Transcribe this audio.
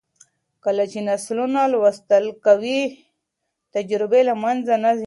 کله چې نسلونه لوستل کوي، تجربې له منځه نه ځي.